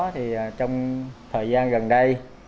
trong thời gian gần đây